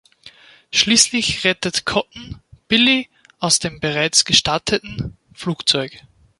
Schließlich rettet Cotton Billy aus dem bereits gestarteten Flugzeug.